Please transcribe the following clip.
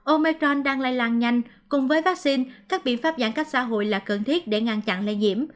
omecron đang lây lan nhanh cùng với vaccine các biện pháp giãn cách xã hội là cần thiết để ngăn chặn lây nhiễm